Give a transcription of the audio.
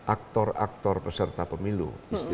aktor aktor peserta pemilu